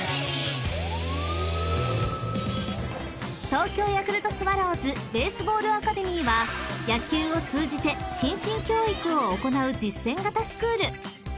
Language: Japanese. ［東京ヤクルトスワローズベースボールアカデミーは野球を通じて心身教育を行う実践型スクール］